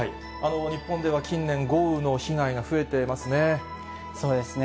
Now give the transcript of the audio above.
日本では近年、豪雨の被害がそうですね。